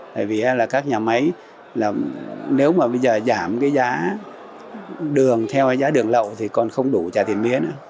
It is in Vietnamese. tại vì là các nhà máy là nếu mà bây giờ giảm cái giá đường theo giá đường lậu thì còn không đủ trả tiền mía nữa